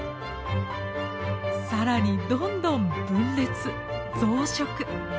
更にどんどん分裂増殖。